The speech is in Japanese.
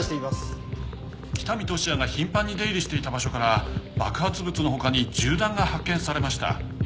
北見俊哉が頻繁に出入りしていた場所から爆発物の他に銃弾が発見されました。